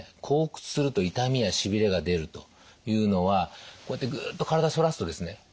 後屈すると痛みやしびれが出るというのはこうやってグッと体反らすとですね